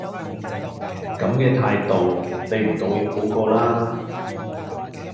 咁嘅態度，你唔道歉好過道啦